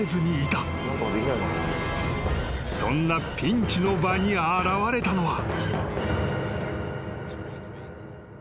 ［そんなピンチの場に現れたのは］